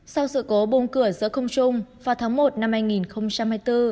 sau sự cố bùng cửa giữa không trung vào tháng một năm hai nghìn hai mươi bốn